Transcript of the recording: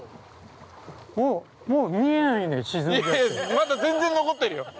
◆まだ全然残ってるよ。